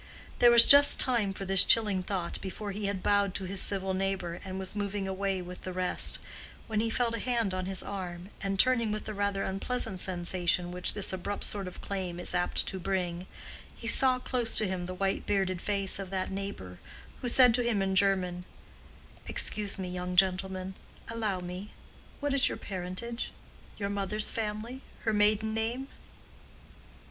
There was just time for this chilling thought before he had bowed to his civil neighbor and was moving away with the rest—when he felt a hand on his arm, and turning with the rather unpleasant sensation which this abrupt sort of claim is apt to bring, he saw close to him the white bearded face of that neighbor, who said to him in German, "Excuse me, young gentleman—allow me—what is your parentage—your mother's family—her maiden name?"